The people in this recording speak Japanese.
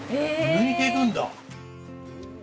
抜いていくんだ。